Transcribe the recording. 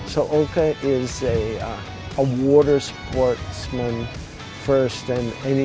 jadi oka adalah seorang penerbangan air